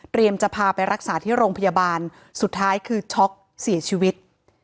จะพาไปรักษาที่โรงพยาบาลสุดท้ายคือช็อกเสียชีวิต